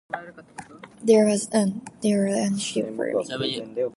There was dairy and sheep farming.